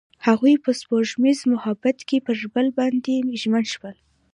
هغوی په سپوږمیز محبت کې پر بل باندې ژمن شول.